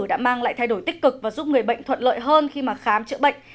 đã mang lại thay đổi tích cực và giúp người bệnh thuận lợi hơn khi mà khám chữa bệnh